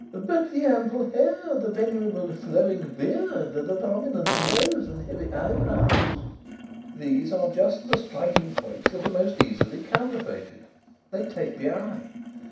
"But the ample hair, the venerable flowing beard, the prominent nose and heavy eyebrows " "These are just the striking points that are most easily counterfeited. They 'take the eye.'